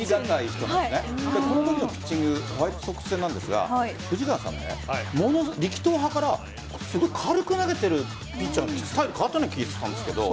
このときのピッチングホワイトソックス戦ですが藤川さん力投派からすごい軽く投げているピッチャー、スタイル変わった気がしたんですが。